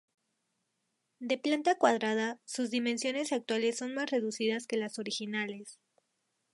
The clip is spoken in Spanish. De planta cuadrada, sus dimensiones actuales son más reducidas que las originales.